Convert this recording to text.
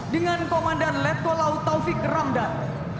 dengan komandan letkol laut taufik ramdan